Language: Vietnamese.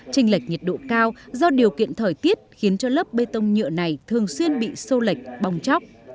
trình lệch nhiệt độ cao do điều kiện thời tiết khiến cho lớp bê tông nhựa này thường xuyên bị sô lệch bong chóc